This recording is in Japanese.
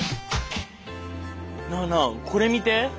なあなあこれ見て！